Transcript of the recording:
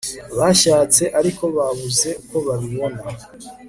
bashyatse ariko babuze uko babibona